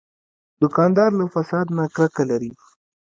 دوکاندار له فساد نه کرکه لري.